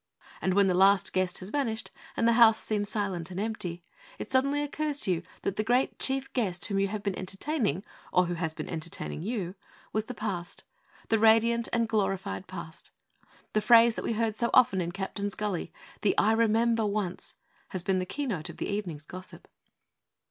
And when the last guest has vanished, and the house seems silent and empty, it suddenly occurs to you that the great chief guest whom you have been entertaining, or who has been entertaining you, was the Past, the radiant and glorified Past. The phrase that we heard so often in Captain's Gully, the '_I remember once _,' has been the key note of the evening's gossip.